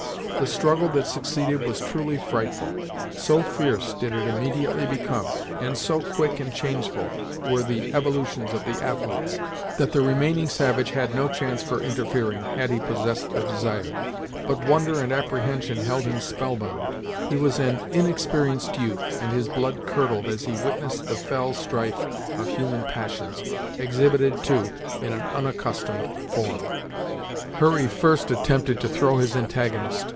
The struggle that succeeded was truly frightful. So fierce did it immediately become, and so quick and changeful were the evolutions of the athletes, that the remaining savage had no chance for interfering, had he possessed the desire; but wonder and apprehension held him spell bound. He was an inexperienced youth, and his blood curdled as he witnessed the fell strife of human passions, exhibited too, in an unaccustomed form. Hurry first attempted to throw his antagonist.